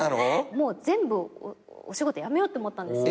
もう全部お仕事辞めようって思ったんです。